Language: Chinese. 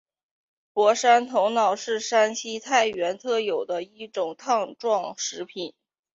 傅山头脑是山西太原特有的一种汤状食品。